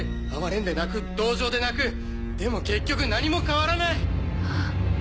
哀れんで泣く同情で泣くでも結局何も変わらない！